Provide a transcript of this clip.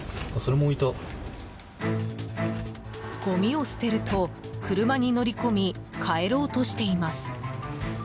ごみを捨てると、車に乗り込み帰ろうとしています。